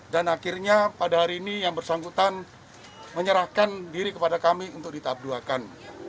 dan akhirnya pada hari ini yang bersangkutan menyerahkan diri kepada kami untuk ditabduhkan